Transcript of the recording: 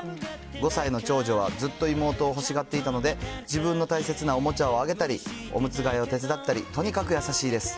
５歳の長女はずっと妹を欲しがっていたので、自分の大切なおもちゃをあげたり、おむつ替えを手伝ったり、とにかく優しいです。